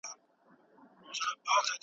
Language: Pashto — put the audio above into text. ما د خپل ورور سره په جومات کې ولیدل.